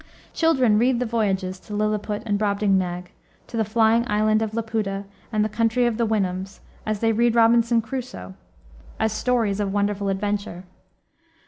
Children read the voyages to Lilliput and Brobdingnag, to the flying island of Laputa and the country of the Houyhnhnms, as they read Robinson Crusoe, as stories of wonderful adventure.